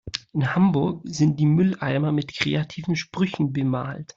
In Hamburg sind die Mülleimer mit kreativen Sprüchen bemalt.